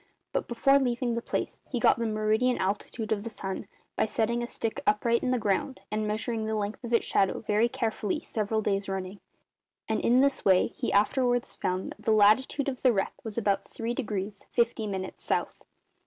But before leaving the place he got the meridian altitude of the sun, by setting a stick upright in the ground and measuring the length of its shadow very carefully several days running; and in this way he afterwards found that the latitude of the wreck was about 3 degrees 50 minutes South.